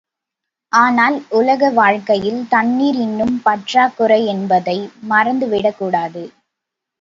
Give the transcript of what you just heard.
ஆனால் உலக வாழ்க்கையில் தண்ணீர் இன்னும் பற்றாக்குறையென்பதைப் மறந்து விடக்கூடாது.